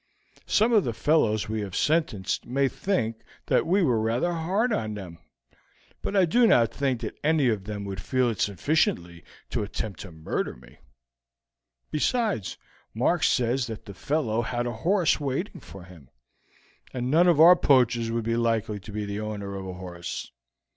"Some of the fellows we have sentenced may think that we were rather hard on them, but I do not think that any of them would feel it sufficiently to attempt to murder one; besides, Mark says that the fellow had a horse waiting for him, and none of our poachers would be likely to be the owner of a horse.